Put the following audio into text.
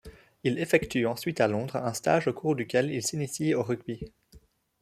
Il effectue ensuite à Londres un stage au cours duquel il s'initie au rugby.